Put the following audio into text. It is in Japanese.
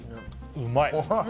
うまい！